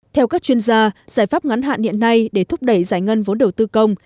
theo các chuyên gia giải pháp ngắn hạn hiện nay để thúc đẩy giải ngân vốn đầu tư công